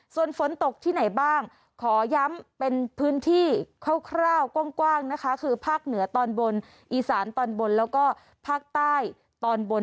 ส่วนฝนตกที่ไหนบ้างขอย้ำเป็นพื้นที่คร่าวกว้างนะคะคือภาคเหนือตอนบนอีสานตอนบนแล้วก็ภาคใต้ตอนบน